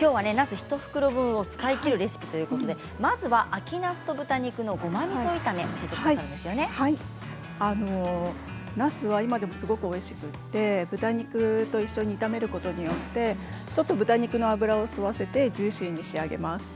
１袋分を使い切るレシピということで秋なすと豚肉のごまみそ炒めのなすは今でもすごくおいしくて豚肉と炒めることによって豚肉の脂を吸わせてジューシーに仕上げます。